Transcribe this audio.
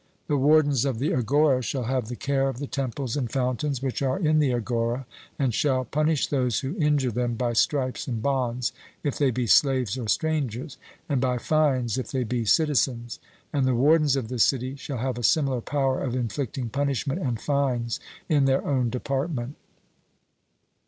The wardens of the agora shall have the care of the temples and fountains which are in the agora, and shall punish those who injure them by stripes and bonds, if they be slaves or strangers; and by fines, if they be citizens. And the wardens of the city shall have a similar power of inflicting punishment and fines in their own department.